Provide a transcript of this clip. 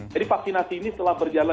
jadi vaksinasi ini setelah berjalan